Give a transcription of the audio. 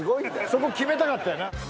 そこ決めたかったよな